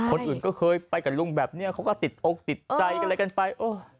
คนอื่นก็เคยไปกับลุงแบบนี้เขาก็ติดอกติดใจอะไรกันไป